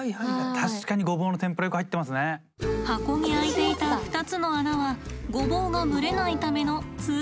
確かに箱に開いていた２つの穴はごぼうが蒸れないための通気口です。